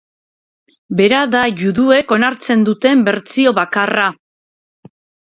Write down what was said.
Bera da juduek onartzen duten bertsio bakarra.